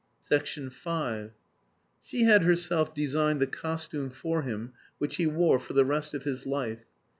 V She had herself designed the costume for him which he wore for the rest of his life.